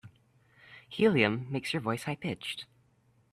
Helium makes your voice high pitched.